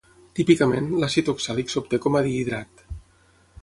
Típicament, l'àcid oxàlic s'obté com a dihidrat.